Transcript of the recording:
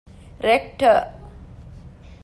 ރެކްޓަރ